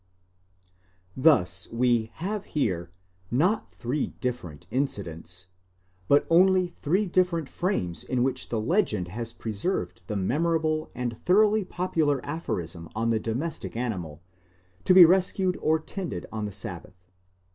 5 Thus we have here, not three different incidents, but only three different frames in which legend has preserved the memorable and thoroughly popular aphorism on the domestic animal, to be rescued or tended on the sabbath.